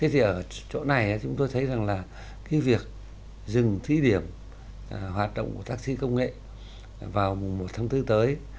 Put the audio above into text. thì ở chỗ này chúng tôi thấy rằng là cái việc dừng thí điểm hoạt động của taxi công nghệ vào một tháng bốn tới